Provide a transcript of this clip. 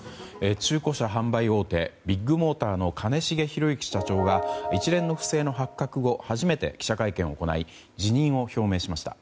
中古車販売大手ビッグモーターの兼重宏行社長が一連の不正の発覚後初めて記者会見を行い辞任を表明しました。